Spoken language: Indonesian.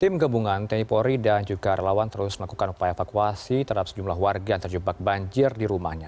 tim gabungan tni polri dan juga relawan terus melakukan upaya evakuasi terhadap sejumlah warga yang terjebak banjir di rumahnya